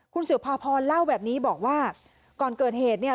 คุณสุภาพรเล่าแบบนี้บอกว่าก่อนเกิดเหตุเนี่ย